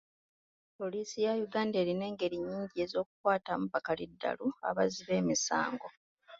Poliisi ya Uganda erina engeri nnyingi ez'okukwatamu bakaliddalu abazzi b'emisango.